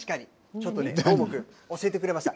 ちょっとね、どーもくん、教えてくれました。